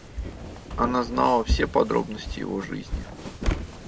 Она знала все подробности его жизни.